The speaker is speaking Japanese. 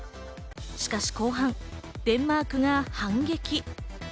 しかし後半、デンマークが反撃。